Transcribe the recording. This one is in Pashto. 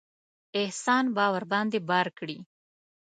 احسان به ورباندې بار کړي.